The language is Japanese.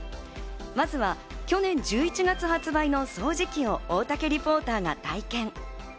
まずは去年１１月発売の掃除機を大竹リポーターが体験。